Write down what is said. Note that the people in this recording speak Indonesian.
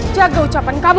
jaga ucapan kamu